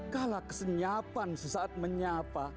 kala kesenyapan sesaat menyapa